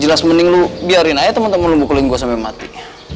jelas mending lu biarin aja teman teman lu bukulin gue sampe mati